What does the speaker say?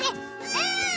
うん！